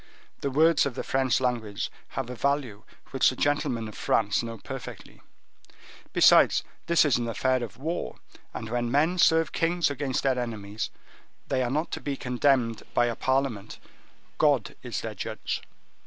The words of the French language have a value which the gentlemen of France know perfectly. Besides, this is an affair of war; and when men serve kings against their enemies they are not to be condemned by a parliament—God is their judge.